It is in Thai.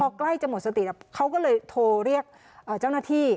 พอใกล้จะหมดสติเขาก็เลยโทรเรียกเจ้าหน้าที่